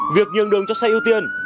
việc nhường đường cho xe ưu tiên